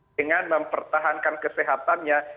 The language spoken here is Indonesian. dengan mempertahankan kesehatannya